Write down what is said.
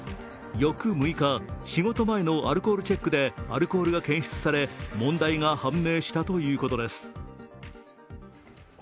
翌６日、仕事前のアルコールチェックでアルコールが検出され問題が判明したということです。